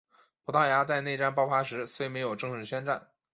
葡萄牙在内战爆发时虽没有正式宣战。